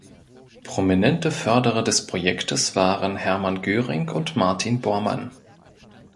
Prominente Förderer des Projektes waren Hermann Göring und Martin Bormann.